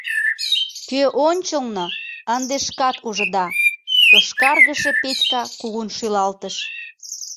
Кӧ ончылно, ынде шкат ужыда... — йошкаргыше Петька кугун шӱлалтыш.